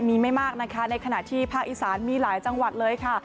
มีไม่มากนะคะในขณะที่ภาคอีสานมีหลายจังหวัดเลยค่ะ